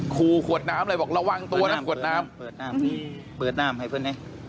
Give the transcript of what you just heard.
ครูขวดน้ำเลยบอกระวังตัวนะขวดน้ำเปิดน้ำให้เพื่อนให้